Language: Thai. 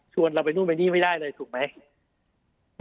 เราไปนู่นไปนี่ไม่ได้เลยถูกไหม